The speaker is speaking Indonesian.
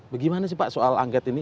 bagaimana sih pak soal angket ini